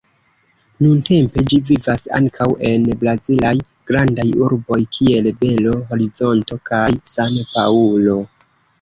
Nuntempe ĝi vivas ankaŭ en brazilaj grandaj urboj, kiel Belo Horizonto kaj San-Paŭlo.